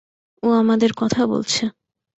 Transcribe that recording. ও আমাদের কথা বলছে।